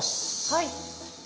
はい。